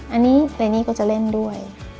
อันนี้ในนี้ก็จะเล่นด้วย